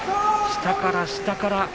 下から下から。